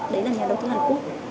đấy là nhà đầu tư hàn quốc